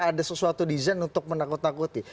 ada sesuatu desain untuk menakut takuti